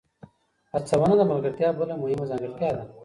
هڅونه د ملګرتیا بله مهمه ځانګړتیا ده.